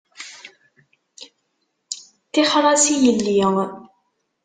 Tixer-as i yelli